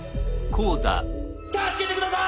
助けて下さい！